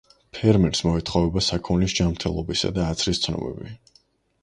ფერმერს მოეთხოვება საქონლის ჯანმრთელობისა და აცრის ცნობები.